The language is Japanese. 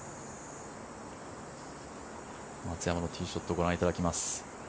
松山のティーショットをご覧いただきます。